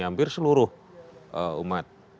hampir seluruh umat